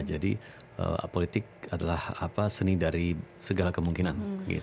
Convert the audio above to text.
jadi politik adalah seni dari segala kemungkinan